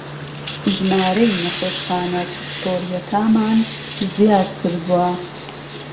ژمارهی نهخۆشخانه پسپۆڕییهکامان زیادکردووه